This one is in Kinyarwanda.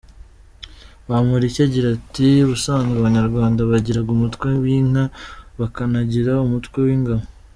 Bamporiki agira ati” Ubusanzwe Abanyarwanda bagiraga umutwe w’inka, bakanagira umutwe w’ingabo.